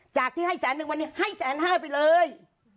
จากที่ให้แสนนึงวันนี้ให้แสนห้าไปเลย